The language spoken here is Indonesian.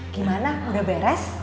gimana udah beres